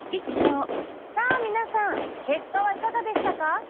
さあ皆さん結果はいかがでしたか？